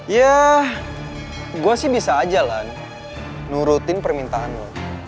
ya gue sih bisa aja lan nurutin permintaan lo